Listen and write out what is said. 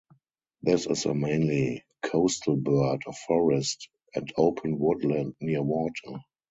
This is a mainly coastal bird of forest and open woodland near water.